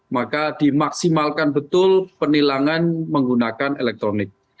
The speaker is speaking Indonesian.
maka dimaksimalkan betul penilangan menggunakan elektronik